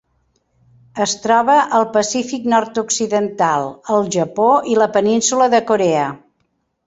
Es troba al Pacífic nord-occidental: el Japó i la península de Corea.